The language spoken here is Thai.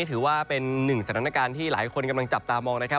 ถือว่าเป็นหนึ่งสถานการณ์ที่หลายคนกำลังจับตามองนะครับ